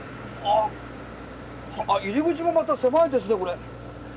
あっ入り口もまた狭いですねこれ。